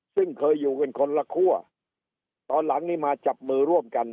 ซึ่งเคยอยู่กันคนละคั่วตอนหลังนี้มาจับมือร่วมกัน